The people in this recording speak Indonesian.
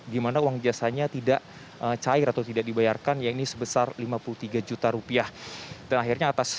di mana uang jasanya tidak cair atau tidak dibayarkan yaitu sebesar lima puluh tiga juta rupiah